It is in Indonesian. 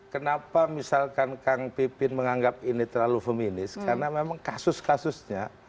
kenapa misalkan kang pipin menganggap ini terlalu feminis karena memang kasus kasusnya